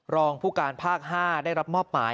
รองผู้การภาค๕ได้รับมอบหมาย